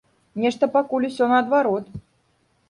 Нешта пакуль усё наадварот.